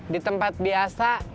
di tempat biasa